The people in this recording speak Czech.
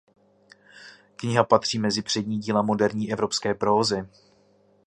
Kniha patří mezi přední díla moderní evropské prózy.